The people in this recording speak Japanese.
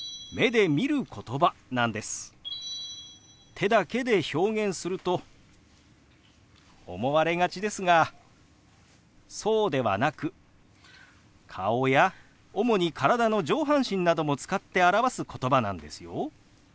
手だけで表現すると思われがちですがそうではなく顔や主に体の上半身なども使って表すことばなんですよ。